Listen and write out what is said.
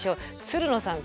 つるのさん